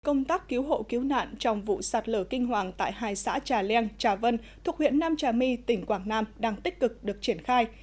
công tác cứu hộ cứu nạn trong vụ sạt lở kinh hoàng tại hai xã trà leng trà vân thuộc huyện nam trà my tỉnh quảng nam đang tích cực được triển khai